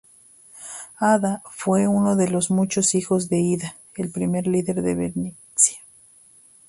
Adda fue uno de los muchos hijos de Ida, el primer líder de Bernicia.